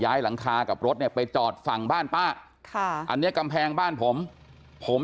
หลังคากับรถเนี่ยไปจอดฝั่งบ้านป้าค่ะอันนี้กำแพงบ้านผมผม